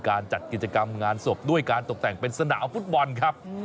จัดกิจกรรมงานศพด้วยการตกแต่งเป็นสนามฟุตบอลครับ